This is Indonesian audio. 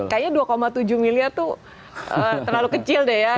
kayaknya dua tujuh miliar tuh terlalu kecil deh ya